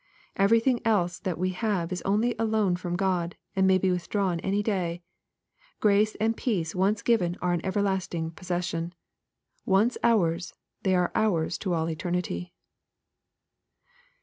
Everything else that we have is only a loan from God, and n:ay be withdrawn any day. Grace and peace once given are an ever lasting possession. Once ours they are ours to all eternity.